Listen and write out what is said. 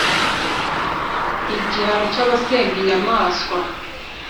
Igihano cy’abasenga inyamaswa